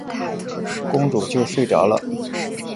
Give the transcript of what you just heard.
公主就睡着了。